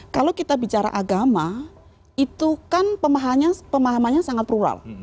kalau kita bicara agama itu kan pemahamannya sangat plural